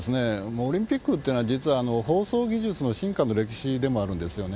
オリンピックっていうのは実は放送技術の進化の歴史でもあるんですよね。